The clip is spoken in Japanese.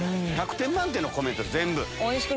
１００点満点のコメント全部。